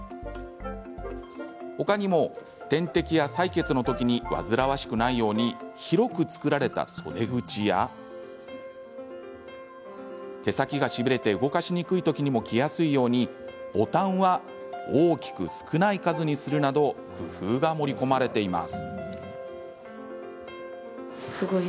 他にも、点滴や採血の時に煩わしくないように広く作られた袖口や手先がしびれて動かしにくい時にも着やすいようにボタンは大きく少ない数にするなど工夫が盛り込まれています。